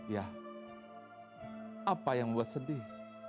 ya apa yang membuat sedih